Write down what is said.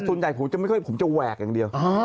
ส่วนใหญ่ผมจะแวกอย่างเดียว